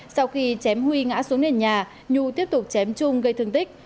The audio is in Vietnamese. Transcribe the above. sau khi chém huy ngã xuống nền nhà nhu tiếp tục chém trung gây thương tích